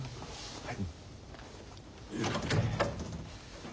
はい。